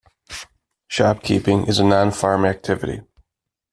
Shop-keeping is a non-farm activity.